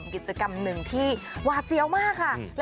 กิจกรรมหนึ่งที่หวาดเสียวมากค่ะ